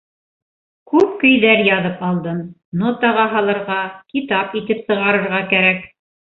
Күп көйҙәр яҙып алдым - нотаға һалырға, китап итеп сығарырға кәрәк...